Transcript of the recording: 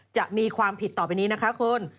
จะมีความผิดต่อไปนี้นะคะคุณ